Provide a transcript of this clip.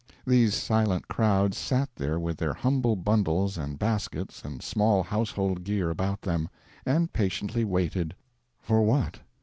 These silent crowds sat there with their humble bundles and baskets and small household gear about them, and patiently waited for what?